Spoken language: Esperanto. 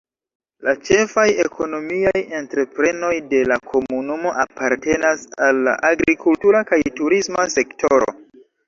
La ĉefaj ekonomiaj entreprenoj de la komunumo apartenas al la agrikultura kaj turisma sektoro.